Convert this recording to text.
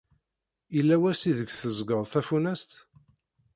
Yella wass ideg teẓẓgeḍ tafunast?